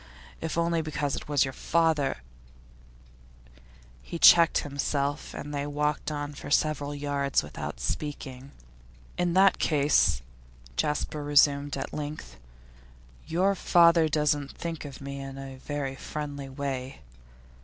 If only because it was your father ' He checked himself and they walked on for several yards without speaking. 'In that case,' Jasper resumed at length, 'your father doesn't think of me in a very friendly way?